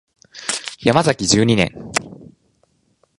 ヤマザキ十二年